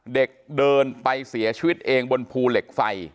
เด็กเดินไปเสียชีวิตเองบนภูเหล็กไฟ